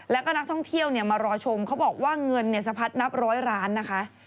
แล้วก็นักท่องเที่ยวมารอชมเขาบอกว่าเงินสะพัดนับร้อยล้านนะคะ